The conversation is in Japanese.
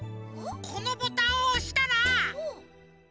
このボタンをおしたら。